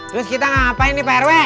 terus kita ngapain nih pak rw